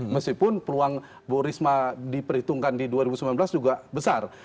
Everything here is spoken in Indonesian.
meskipun peluang bu risma diperhitungkan di dua ribu sembilan belas juga besar